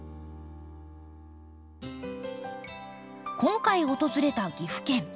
今回訪れた岐阜県。